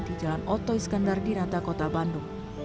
di jalan oto iskandar di nata kota bandung